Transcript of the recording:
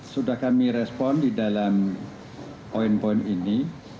sudah kami respon di dalam poin poin ini